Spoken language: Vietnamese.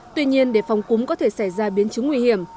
tuy nhiên để phòng cúm có thể xảy ra biến chứng nguy hiểm